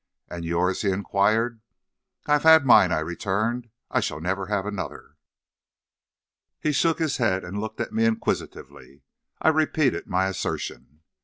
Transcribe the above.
"'And yours?' he inquired. "'I have had mine,' I returned. 'I shall never have another.' "He shook his head and looked at me inquisitively. I repeated my assertion.